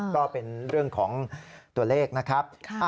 ก็เป็นเรื่องของตัวเลขนะครับ